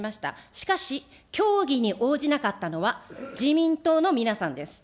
しかし、協議に応じなかったのは自民党の皆さんです。